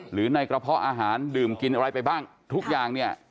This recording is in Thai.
หรือในกระเพาะอาหารดื่มกินอะไรไปบ้างทุกอย่างเนี่ย